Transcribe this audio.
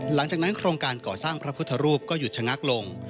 หลังจากนั้นโครงการก่อสร้างพระพุทธรูปก็หยุดชะงักลง